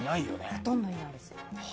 ほとんどいないです。